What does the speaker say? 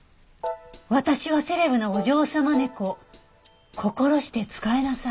「私はセレブなお嬢様猫」「心して仕えなさい」